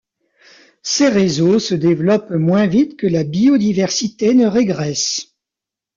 Ces réseaux se développent moins vite que la biodiversité ne régresse.